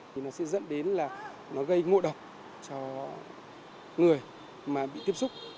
thì nó sẽ dẫn đến là nó gây ngộ độc cho người mà bị tiếp xúc